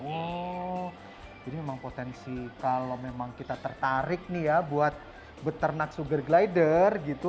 oh jadi memang potensi kalau memang kita tertarik nih ya buat beternak sugar glider gitu